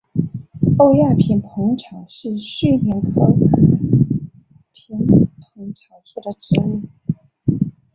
欧亚萍蓬草是睡莲科萍蓬草属的植物。